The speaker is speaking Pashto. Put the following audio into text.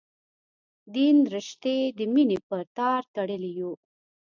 دین رشتې د مینې په تار تړلي یو.